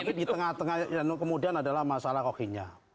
tapi di tengah tengahnya kemudian adalah masalah rohingya